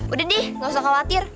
udah nih gak usah khawatir